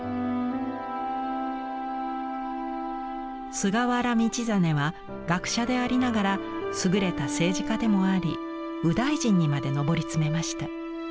菅原道真は学者でありながら優れた政治家でもあり右大臣にまで上り詰めました。